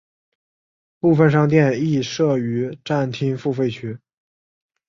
部分商店亦设于站厅付费区内。